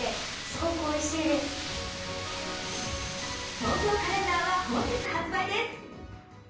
「東京カレンダー」は本日発売です。